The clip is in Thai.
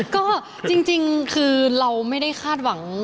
ก็จริงคือเราไม่ได้คาดหวัง